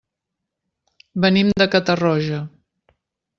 Venim de Catarroja.